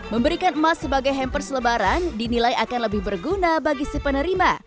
memberikan emas sebagai hamper selebaran dinilai akan lebih berguna bagi si penerima